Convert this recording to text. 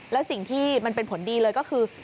แล้วสิ่งที่มันเป็นผลดีเลยก็คือ